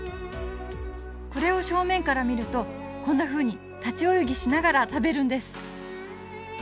これを正面から見るとこんなふうに立ち泳ぎしながら食べるんです。